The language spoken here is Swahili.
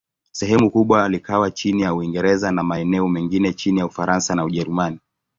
Sehemu kubwa likawa chini ya Uingereza, na maeneo mengine chini ya Ufaransa na Ujerumani.